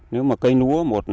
nếu mà cây lúa